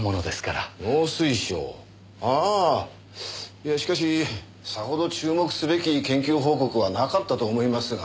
いやしかしさほど注目すべき研究報告はなかったと思いますが。